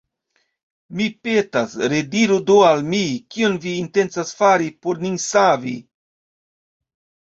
Mi petas, rediru do al mi, kion vi intencas fari por nin savi.